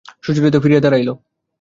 সুচরিতা ফিরিয়া দাঁড়াইল।